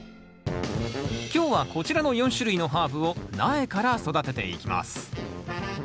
今日はこちらの４種類のハーブを苗から育てていきます。